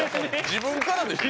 自分からでしょ？